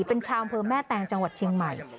เป็นชาวเมืองแม่แตงจังหวัดชิงใหม่